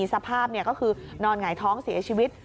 ผู้โตผิดสภาพนี่ก็คือนอนหงายท้องเสียชีวิต